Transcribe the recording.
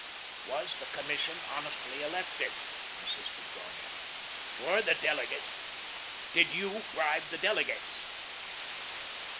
"Was the Commission honestly elected?" insisted Garnett. "Were the delegates did you bribe the delegates?"